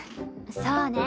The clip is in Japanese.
そうね。